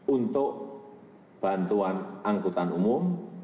untuk bantuan angkutan umum